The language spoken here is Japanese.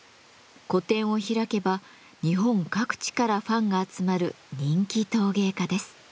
個展を開けば日本各地からファンが集まる人気陶芸家です。